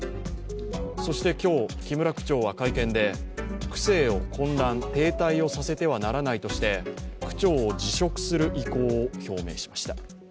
そして今日、木村区長は会見で区政を混乱、停滞させてはならないとして区長を辞職する意向を表明しました。